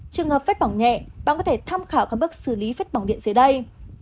trường hợp phết bỏng nhẹ bạn có thể tham khảo các bước xử lý phết bỏng điện dưới đây